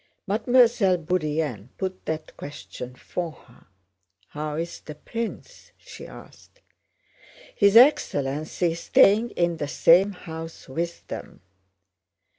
Mademoiselle Bourienne put that question for her. "How is the prince?" she asked. "His excellency is staying in the same house with them."